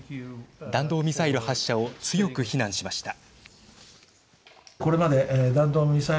弾道ミサイル発射を強く非難しました。